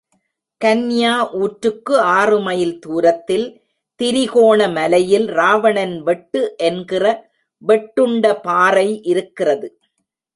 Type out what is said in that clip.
கன்யா ஊற்றுக்கு ஆறு மைல் தூரத்தில் திரிகோணமலையில் ராவணன் வெட்டு என்கிற வெட்டுண்ட பாறை இருக்கிறது.